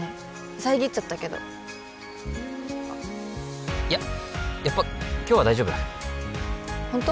さえぎっちゃったけどいややっぱ今日は大丈夫ホント？